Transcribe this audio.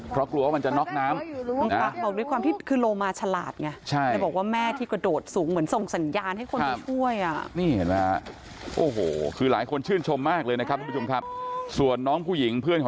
เพราะว่าอย่างนั้นต้องช่วยมันให้ดูก็ได้เลยครับเพราะว่าโรมามันอยู่คูกับนมมานานเลยครับ